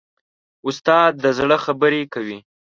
استاد د زړه خبرې کوي.